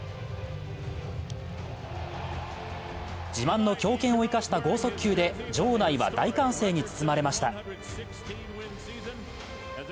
自慢の強肩を生かした剛速球で場内は大歓声に包まれました。